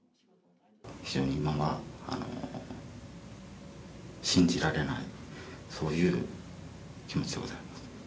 今は信じられない、そういう気持ちでございます。